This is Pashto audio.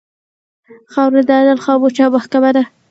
خاوره د عدل خاموشه محکمـه ده.